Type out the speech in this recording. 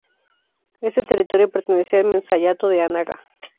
Este territorio pertenecía al menceyato de Anaga.